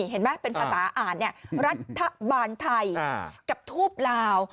เห็นไหมเป็นภาษาอ่านรัฐบาลไทยกับทูปลาว